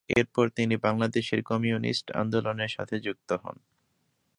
এর পর তিনি বাংলাদেশের কম্যুনিস্ট আন্দোলনের সাথে যুক্ত হন।